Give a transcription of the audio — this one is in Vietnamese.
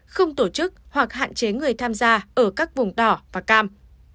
không tổ chức hoặc hạn chế người tham gia ở các vùng đỏ và cam